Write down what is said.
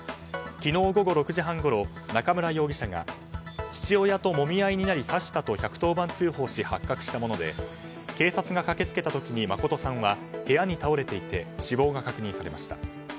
昨日午後６時半ごろ中村容疑者が父親ともみ合いになり刺したと１１０番通報し発覚したもので警察が駆け付けた時に誠さんは部屋に倒れていて死亡が確認されました。